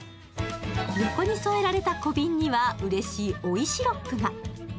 横に添えられた小瓶にはうれしい追いシロップが。